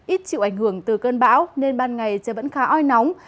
ít chịu ảnh hưởng từ cơn bão nên ban ngày trời vẫn khá oi nóng